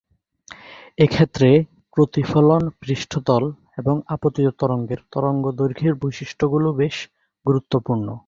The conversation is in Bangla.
এক্ষেত্রে প্রতিফলন পৃষ্ঠতল এবং আপতিত তরঙ্গের তরঙ্গদৈর্ঘ্যের বৈশিষ্ট্যগুলো বেশ গুরুত্বপূর্ণ।